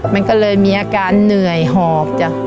มันก็เลยมีอาการเหนื่อยหอบจ้ะ